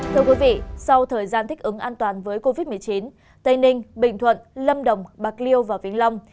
thưa quý vị sau thời gian thích ứng an toàn với covid một mươi chín tây ninh bình thuận lâm đồng bạc liêu và vĩnh long